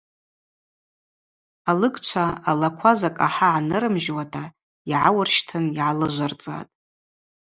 Алыгчва алаква закӏ ахӏа гӏанырымжьуата йгӏауырщтын йгӏалыжвырцӏатӏ.